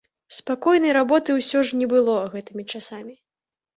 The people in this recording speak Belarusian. Спакойнай работы ўсё ж не было гэтымі часамі.